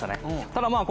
ただまあ